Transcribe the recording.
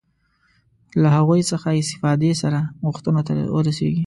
له هغوی څخه استفادې سره غوښتنو ته ورسېږي.